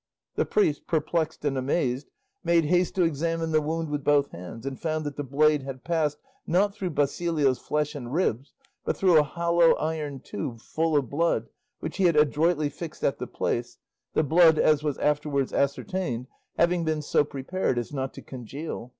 The priest, perplexed and amazed, made haste to examine the wound with both hands, and found that the blade had passed, not through Basilio's flesh and ribs, but through a hollow iron tube full of blood, which he had adroitly fixed at the place, the blood, as was afterwards ascertained, having been so prepared as not to congeal.